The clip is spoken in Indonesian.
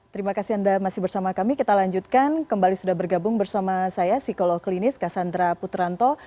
terima kasih anda masih bersama kami kita lanjutkan kembali sudah bergabung bersama saya psikolog klinis cassandra putranto